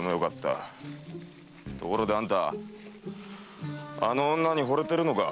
ところであんたあの女に惚れてるのか？